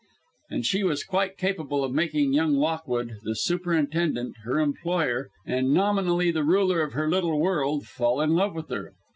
And she was quite capable of making young Lockwood, the superintendent, her employer, and nominally the ruler of her little world, fall in love with her.